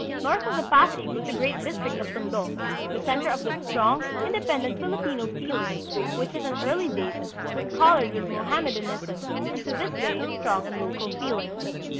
North of the Pasig was the great district of Tondo, the center of that strong, independent Filipino feeling which at an early date was colored with Moham medanism and to this day is strong in local feeling.